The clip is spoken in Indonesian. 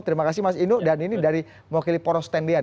terima kasih mas inu dan ini dari mewakili poros tendian